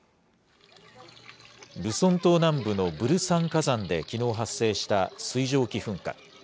ルソン島南部のブルサン火山できのう発生した水蒸気噴火。